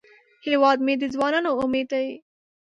هیواد مې د ځوانانو امید دی